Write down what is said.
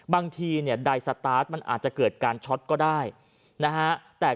บางทีเนี่ยใดสตาร์ทมันอาจจะเกิดการช็อตก็ได้นะฮะ